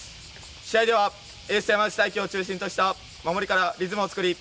試合では、エース・山内太暉を中心とした守りからリズムを作り